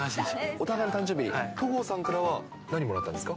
お互いの誕生日、戸郷さんからは何もらったんですか？